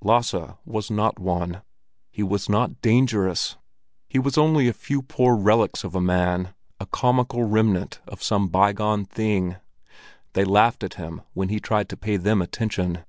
Lasse was not one; he was not dangerous! He was only a few poor relics of a man, a comical remnant of some by gone thing; they laughed at him when he tried to pay them attention.